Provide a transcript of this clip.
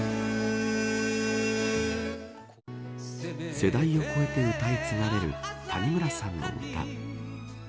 世代を超えて歌い継がれる谷村さんの歌。